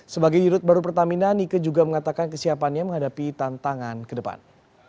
sebagai dirut baru pertamina nike juga mengatakan kesiapannya menghadapi tantangan ke depan